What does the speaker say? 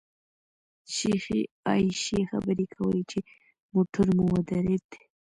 شیخې عایشې خبرې کولې چې موټر مو ودرېد.